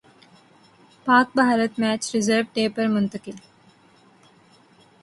پاک Bharat match reserve day پر منتقل